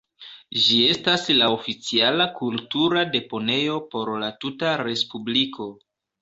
Ĝi estas la oficiala kultura deponejo por la tuta respubliko.